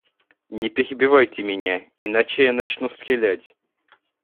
Не перебивайте меня, иначе я начну стрелять.